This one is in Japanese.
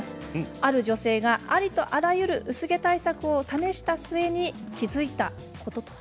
ある女性がありとあらゆる薄毛対策を試した末に気付いたこととは。